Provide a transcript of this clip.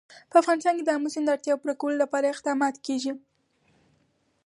په افغانستان کې د آمو سیند د اړتیاوو پوره کولو لپاره اقدامات کېږي.